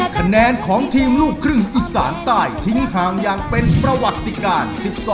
คะแนนของทีมลูกครึ่งอีสานใต้ทิ้งห่างอย่างเป็นประวัติการ๑๒